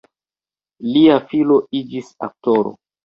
Lia filo iĝis aktoro.